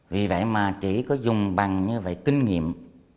vì vậy mà chỉ có dùng bằng như vậy kinh nghiệm